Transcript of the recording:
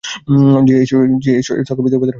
জ্বী এই সরকার বিধবাদের আজকাল বিধবা পেনশন দিচ্ছে।